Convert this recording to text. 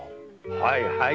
はいはい。